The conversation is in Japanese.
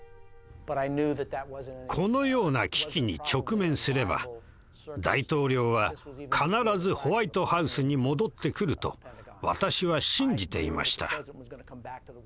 このような危機に直面すれば大統領は必ずホワイトハウスに戻ってくると私は信じていました。